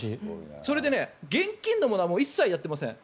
それで、現金のものは一切やっていません。